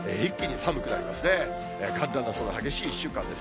寒暖の差が激しい１週間です。